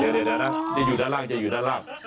เดี๋ยวนะอย่าอยู่ด้านล่าง